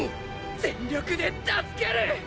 全力で助ける！